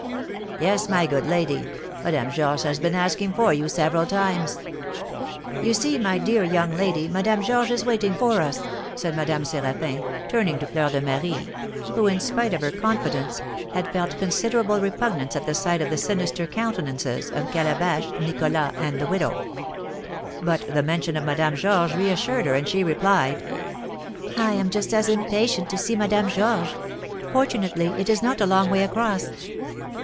"Yes, my good lady, Madame Georges has been asking for you several times." "You see, my dear young lady, Madame Georges is waiting for us," said Madame Séraphin, turning to Fleur de Marie, who, in spite of her confidence, had felt considerable repugnance at the sight of the sinister countenances of Calabash, Nicholas, and the widow; but the mention of Madame Georges reassured her, and she replied: "I am just as impatient to see Madame Georges; fortunately, it is not a long way across."